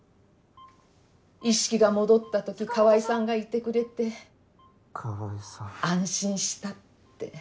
意識が戻った時川合さんがいてくれて安心したって。